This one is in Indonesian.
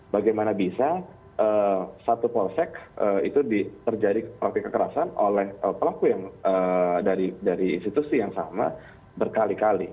bagaimana bisa satu polsek itu terjadi praktik kekerasan oleh pelaku yang dari institusi yang sama berkali kali